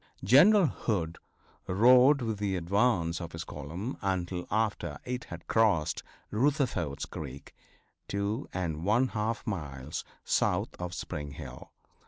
General Hood rode with the advance of his column until after it had crossed Rutherford's creek, two and one half miles south of Spring Hill.